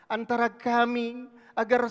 antara kami agar